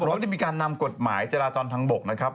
พร้อมได้มีการนำกฎหมายจราจรทางบกนะครับ